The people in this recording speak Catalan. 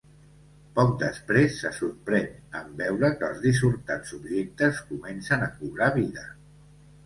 Poc després se sorprèn en veure que els dissortats objectes comencen a cobrar vida.